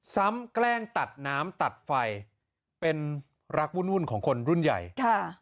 แกล้งตัดน้ำตัดไฟเป็นรักวุ่นของคนรุ่นใหญ่ค่ะ